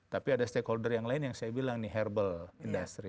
tapi ada stakeholder yang lain yang saya bilang nih herbal industry